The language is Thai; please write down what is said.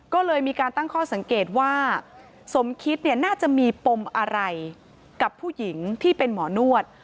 ก็เลยมีการตั้งข้อสังเกตว่าสมคิดเนี่ยน่าจะมีปมอะไรกับผู้หญิงที่เป็นหมอนวด